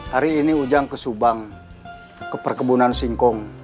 hari ini ujang ke subang ke perkebunan singkong